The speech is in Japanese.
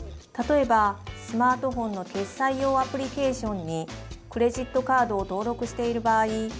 例えばスマートフォンの決済用アプリケーションにクレジットカードを登録している場合